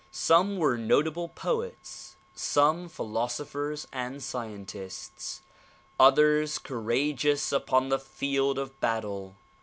Some were notable poets, some philosophers and scientists, others courageous upon the field of battle.